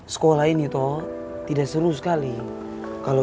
aku mau bawa papa buat besok